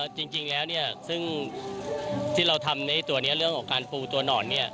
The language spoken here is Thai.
จริงแล้วเนี่ยซึ่งที่เราทำในตัวนี้เรื่องของการปูตัวหนอนเนี่ย